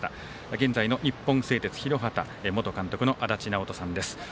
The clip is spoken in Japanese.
現在の日本製鉄広畑元監督の足達尚人さんです。